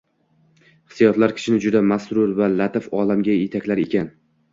Hissiyotlar kishini juda masrur va latif olamga etaklar ekan